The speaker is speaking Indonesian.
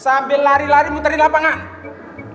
sambil lari lari muteri lapangan